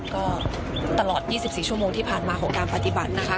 ก็ตลอด๒๔ชั่วโมงที่ผ่านมาของการปฏิบัตินะคะ